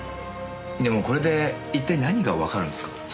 でもこれで一体何がわかるんですか？